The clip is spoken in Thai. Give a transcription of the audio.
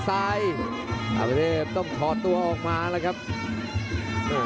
โหโหโหโหโหโหโหโหโหโหโหโหโหโหโหโห